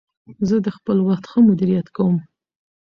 زه د خپل وخت ښه مدیریت کوم.